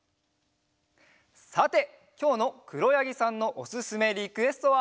さてきょうのくろやぎさんのおすすめリクエストは。